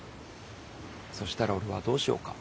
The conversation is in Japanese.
そしたら俺はどうしようかって。え？